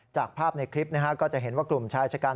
จากภาพในคลิปก็จะเห็นว่ากลุ่มชายชะกัน